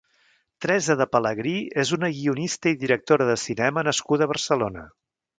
Teresa de Pelegrí és una guionista i directora de cinema nascuda a Barcelona.